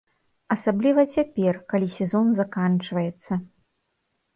Асабліва цяпер, калі сезон заканчваецца.